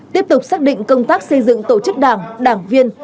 tiếp tục xác định công tác xây dựng tổ chức đảng đảng viên